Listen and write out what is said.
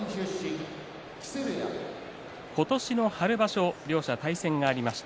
今年の春場所、両者対戦がありました。